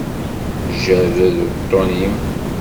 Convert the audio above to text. Jerred uṭṭun-im.